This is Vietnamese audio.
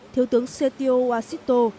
thiếu tướng setio wasito